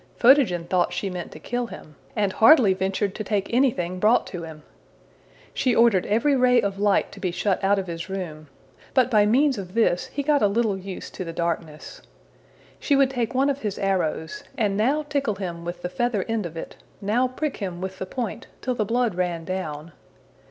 Photogen thought she meant to kill him, and hardly ventured to take anything brought him. She ordered every ray of light to be shut out of his room; but by means of this he got a little used to the darkness. She would take one of his arrows, and now tickle him with the feather end of it, now prick him with the point till the blood ran down.